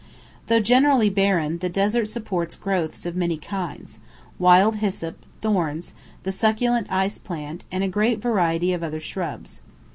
Though generally barren, the desert supports growths of many kinds; wild hyssop, thorns, the succulent ice plant, and a great variety of other shrubs.